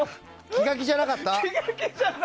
気が気じゃなかった。